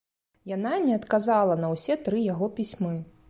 Яна не адказала на ўсе тры яго пісьмы.